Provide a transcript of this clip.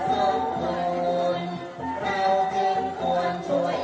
การทีลงเพลงสะดวกเพื่อความชุมภูมิของชาวไทยรักไทย